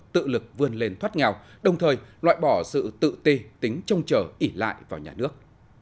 tự lực vươn lên thoát nghèo đồng thời loại bỏ sự tự ti tính trông chờ ỉ lại vào nhà nước